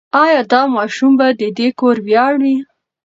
ایا دا ماشوم به د دې کور ویاړ وي؟